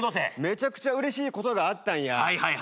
めちゃくちゃうれしいことがあったんや。